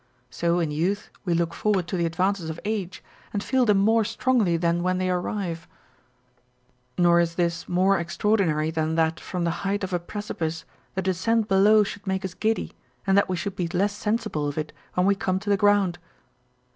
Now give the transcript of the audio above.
So in youth we look forward to the advances of age, and feel them more strongly than when they arrive ; nor is this more extraordinary than that from the height of a precipice the descent below should make us giddy, and that we should be less sensible of it when we dome to the ground.